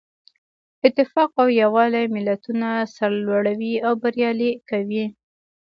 اتفاق او یووالی ملتونه سرلوړي او بریالي کوي.